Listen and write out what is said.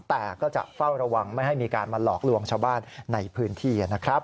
แต่ก็จะเฝ้าระวังไม่ให้มีการมาหลอกลวงชาวบ้านในพื้นที่นะครับ